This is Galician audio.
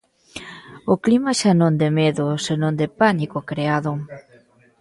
O clima xa non de medo, senón de pánico creado.